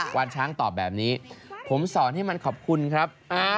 วานช้างตอบแบบนี้ผมสอนให้มันขอบคุณครับ